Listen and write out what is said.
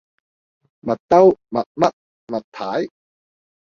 麥兜，麥嘜，麥太